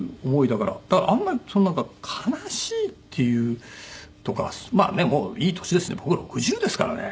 だからあんまりなんか悲しいっていうとかはまあねもういい年ですし僕６０ですからね。